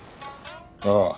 ああ。